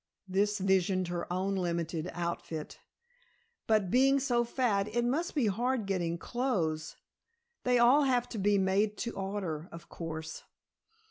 This visioned her own limited outfit. "But being so fat it must be hard getting clothes. They all have to be made to order, of course."